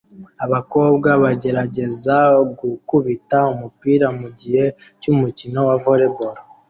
Abakobwa bagerageza gukubita umupira mugihe cy'umukino wa volley ball